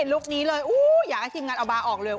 ลุคนี้เลยอยากให้ทีมงานเอาบาร์ออกเลย